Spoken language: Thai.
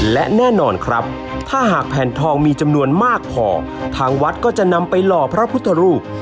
และแน่นอนครับถ้าหากแผ่นทองมีจำนวนมากพอทางวัดก็จะนำไปหล่อพระพุทธรูป